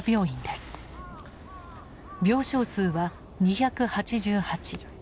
病床数は２８８。